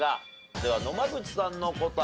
では野間口さんの答え。